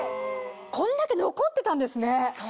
こんだけ残ってたんですね。